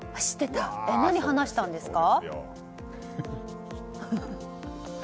何を話したんですか？